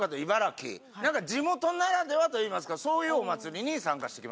なんか地元ならではといいますかそういうお祭りに参加してきました。